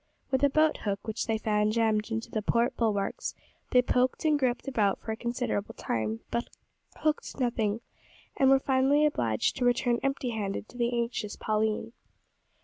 With a boat hook which they found jammed in the port bulwarks, they poked and groped about for a considerable time, but hooked nothing, and were finally obliged to return empty handed to the anxious Pauline.